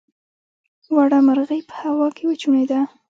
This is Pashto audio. وړه مرغۍ په هوا کې وچوڼېده.